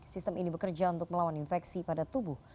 sistem ini bekerja untuk melawan infeksi pada tubuh